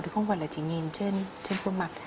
thì không phải là chỉ nhìn trên phương mặt